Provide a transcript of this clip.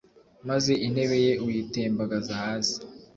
maze intebe ye uyitembagaza hasi